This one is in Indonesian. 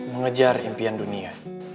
mengejar impian dunia